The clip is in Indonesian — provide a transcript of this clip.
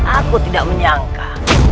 aku tidak menyangka